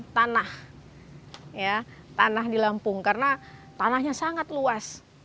tanah tanah di lampung karena tanahnya sangat luas